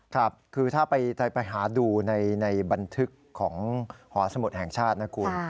ครับคือถ้าไปหาดูในบันทึกของหอสมุทรแห่งชาตินะคุณ